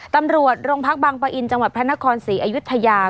ตำรวจโรงพักบางปะอินจังหวัดพระนครศรีอยุธยา